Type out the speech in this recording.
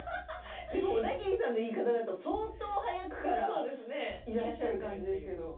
オダギリさんの言い方だと相当早くからいらっしゃるような感じですよね。